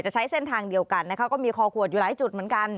ใช้เส้นทางเดียวกันนะคะก็มีคอขวดอยู่หลายจุดเหมือนกัน